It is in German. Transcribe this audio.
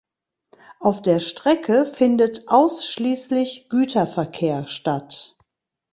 Auf der Strecke findet ausschließlich Güterverkehr statt.